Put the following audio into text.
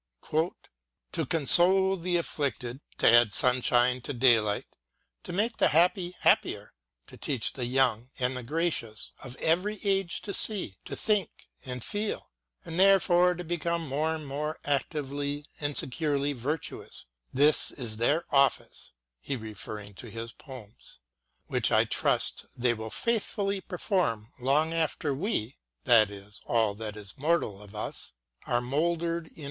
" To console the afflicted : to add sunshine to daylight by making the happy happier : to teach the young and the gracious of every age to see, to think and feel ; and therefore to become more actively and securely virtuous — this is their office (he is referring to his poems), which I trust they will faithfully perform long after we (that is, *" Ode to Immortality." t " Excursion," i. 227. X " The Prelude," xiv.